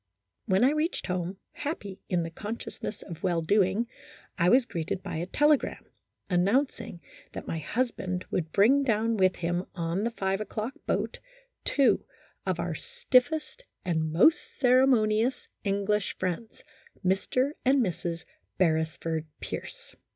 When I reached home, happy in the consciousness of well doing, I was greeted by a telegram, announcing that my husband would bring down with him on the five o'clock boat, two of our stiffest and most ceremoni ous English friends, Mr. and Mrs. Beresford Pierce.